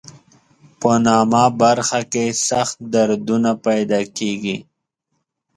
په نامه برخه کې سخت دردونه پیدا کېږي.